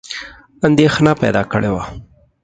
اندېښنه پیدا کړې وه.